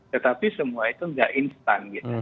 tetapi semua itu tidak instan